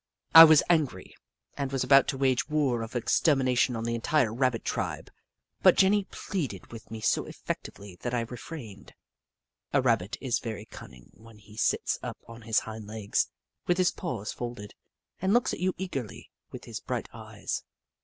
I was angry and was about to wage a war of extermination on the entire Rabbit tribe, but Jenny pleaded with me so effectively that I refrained. A Rabbit is very cunning when he sits up on his hind legs, with his paws folded, and looks at you eagerly with his bright eyes.